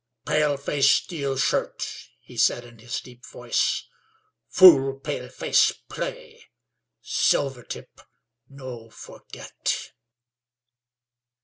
"Paleface steal shirt," he said in his deep voice. "Fool paleface play Silvertip no forget."